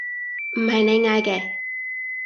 唔係你嗌嘅？